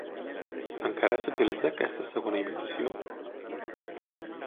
Encara s'utilitza aquesta segona imitació?